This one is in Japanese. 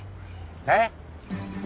えっ？